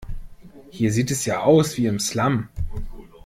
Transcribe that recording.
Hier sieht es ja aus wie im Slum.